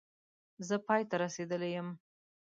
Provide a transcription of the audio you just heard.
زه پای ته رسېدلی یم